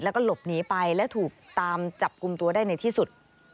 แล้วก็หลบหนีไปและถูกตามจับกลุ่มตัวได้ในที่สุด